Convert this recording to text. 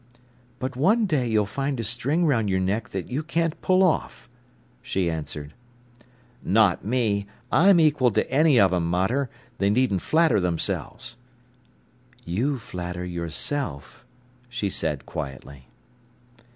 "But one day you'll find a string round your neck that you can't pull off," she answered. "Not me! I'm equal to any of 'em, mater, they needn't flatter themselves." "You flatter yourself," she said quietly.